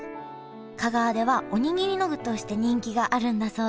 香川ではおにぎりの具として人気があるんだそうです。